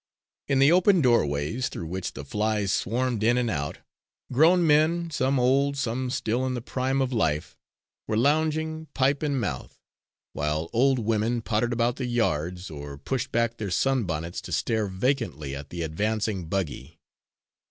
In the open doorways, through which the flies swarmed in and out, grown men, some old, some still in the prime of life, were lounging, pipe in mouth, while old women pottered about the yards, or pushed back their sunbonnets to stare vacantly at the advancing buggy.